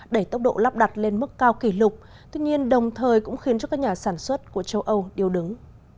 đẩy tốc độ lắp đặt lên mức cao kỷ lục tuy nhiên đồng thời cũng khiến cho các nhà sản xuất của châu âu điều đứng